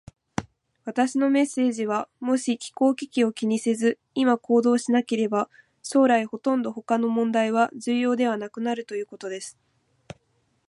私のメッセージは、もし気候危機を気にせず、今行動しなければ、将来ほとんど他の問題は重要ではなくなるということです。